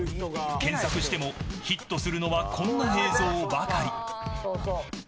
検索してもヒットするのはこんな映像ばかり。